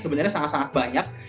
sebenarnya sangat sangat banyak